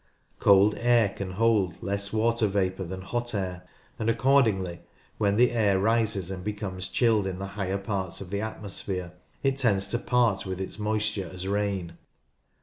Cold air can hold less water vapour than hot air, and accordingly when the air rises and becomes chilled in the higher parts of the atmosphere it tends to part with its moisture as rain.